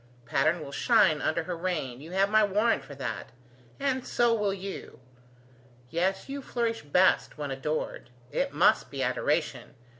Patterne will shine under her reign; you have my warrant for that. And so will you. Yes, you flourish best when adored. It must be adoration.